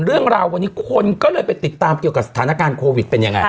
เรื่องราววันนี้คนก็เลยไปติดตามเกี่ยวกับสถานการณ์โควิดเป็นยังไง